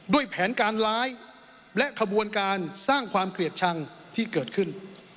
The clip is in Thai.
แผนการร้ายและขบวนการสร้างความเกลียดชังที่เกิดขึ้น